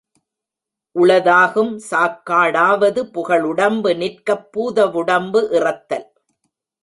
உளதாகும் சாக்காடாவது புகழுடம்பு நிற்கப் பூதவுடம்பு இறத்தல்.